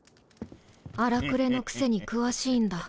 荒くれのくせに詳しいんだ。